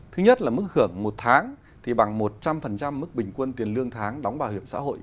thứ nhất là mức hưởng một tháng thì bằng một trăm linh mức bình quân tiền lương tháng đóng bảo hiểm xã hội